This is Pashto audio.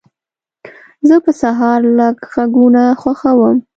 زه په سهار لږ غږونه خوښوم.